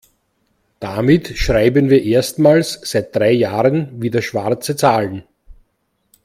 Damit schreiben wir erstmals seit drei Jahren wieder schwarze Zahlen.